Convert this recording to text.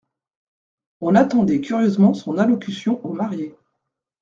On attendait curieusement son allocution aux mariés.